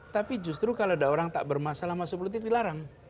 tapi justru kalau ada orang tak bermasalah masuk politik dilarang